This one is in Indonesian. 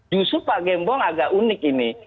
justru pak gembong agak unik ini